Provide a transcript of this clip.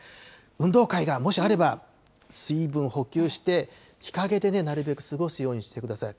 運動会がもしあれば、水分補給して、日陰でね、なるべく過ごすようにしてください。